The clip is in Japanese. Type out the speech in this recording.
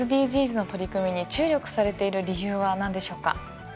ＳＤＧｓの取り組みに注力されている理由は何でしょうか？